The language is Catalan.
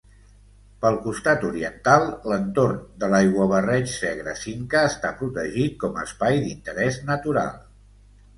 Pel costat oriental, l'entorn de l'Aiguabarreig Segre-Cinca està protegit com a Espai d'Interès Natural.